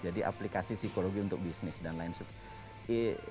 jadi aplikasi psikologi untuk bisnis dan lain sebagainya